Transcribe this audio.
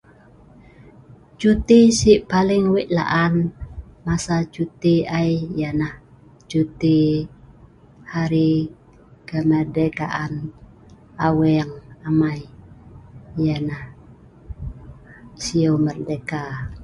Lem eek SEKOLA alam amai nan Lau hmeu, kelabit, saban ,penan.